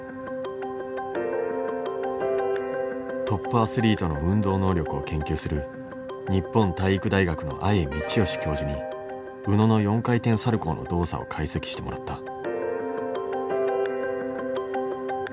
トップアスリートの運動能力を研究する日本体育大学の阿江通良教授に宇野の４回転サルコーの動作を解析してもらった。